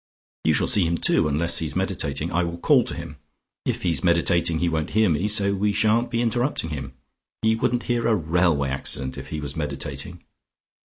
You shall see him too, unless he's meditating. I will call to him; if he's meditating he won't hear me, so we shan't be interrupting him. He wouldn't hear a railway accident if he was meditating."